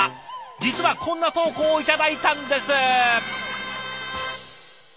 実はこんな投稿を頂いたんです。